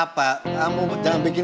perasaan apa sih